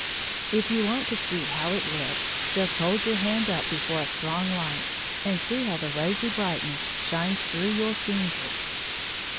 If you want to see how it looked, just hold your hand up before a strong Hght, and see how the rosy brightness shines through your fingers.